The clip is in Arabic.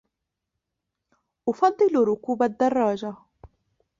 أفضل ركوب الدراجة.